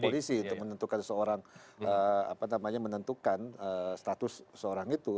polisi itu menentukan seorang apa namanya menentukan status seorang itu